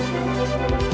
hẹn gặp lại